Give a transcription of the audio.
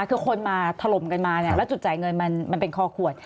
คือคนมาถล่มกันมาเนี่ยแล้วจุดจ่ายเงินมันเป็นคอขวด